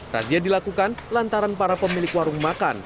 razia dilakukan lantaran para pemilik warung makan